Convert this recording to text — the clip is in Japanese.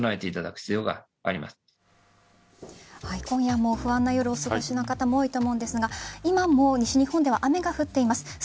今夜も不安な夜をお過ごしの方も多いと思うんですが今も西日本では雨が降っています。